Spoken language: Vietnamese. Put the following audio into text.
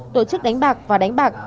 tổ chức đánh bạc và đánh bạc